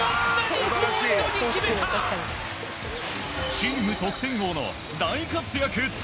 チーム得点王の大活躍！